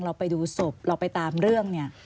เราไปดูศพเราไปตามเรื่องเนี่ย